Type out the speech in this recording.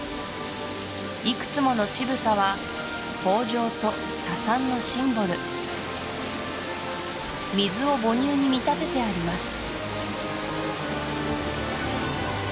いくつもの乳房は豊穣と多産のシンボル水を母乳に見立ててあります